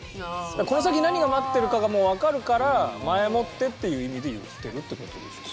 この先何が待ってるかがもう分かるから前もってっていう意味で言ってるってことでしょうね。